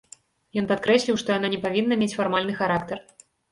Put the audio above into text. Ён падкрэсліў, што яна не павінна мець фармальны характар.